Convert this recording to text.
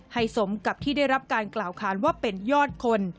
สมกับที่ได้รับการกล่าวค้านว่าเป็นยอดคน